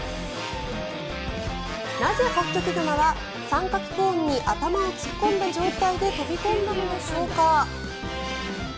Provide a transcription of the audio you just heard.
なぜホッキョクグマは三角コーンに頭を突っ込んだ状態で飛び込んだのでしょうか。